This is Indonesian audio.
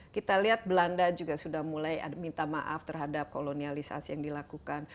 kita lihat belanda juga sudah mulai minta maaf terhadap kolonialisasi yang dilakukan